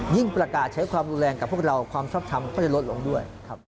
ประกาศใช้ความรุนแรงกับพวกเราความชอบทำก็จะลดลงด้วยครับ